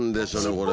これ。